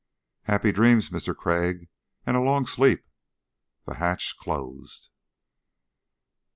"Happy dreams, Mister Crag ... and a long sleep." The hatch closed.